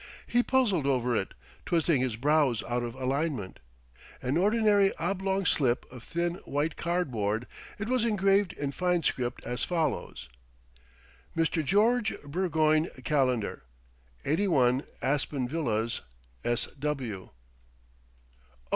He puzzled over it, twisting his brows out of alignment. An ordinary oblong slip of thin white cardboard, it was engraved in fine script as follows: MR. GEORGE BURGOYNE CALENDAR 81, ASPEN VILLAS, S. W.